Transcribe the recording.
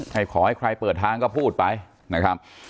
ขอให้ใครเปิดทางก็พูดไปนะครับ